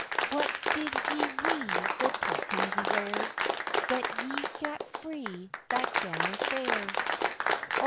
"What did ye wi' the tokens rare, That ye gat frae that gallant there?"